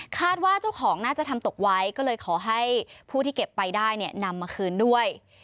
ว่าเจ้าของน่าจะทำตกไว้ก็เลยขอให้ผู้ที่เก็บไปได้เนี่ยนำมาคืนด้วย